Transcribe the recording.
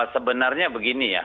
sebenarnya begini ya